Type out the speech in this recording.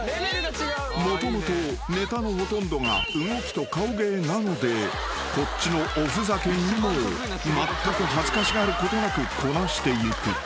［もともとネタのほとんどが動きと顔芸なのでこっちのおふざけにもまったく恥ずかしがることなくこなしていく］